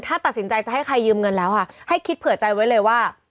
ถ้าตัดสินใจจะให้ใครยืมเงินแล้วค่ะให้คิดเผื่อใจไว้เลยว่า